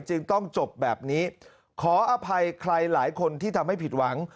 จึงต้องจบแบบนี้ขออภัยใครหลายคนที่ทำให้ผิดหวัง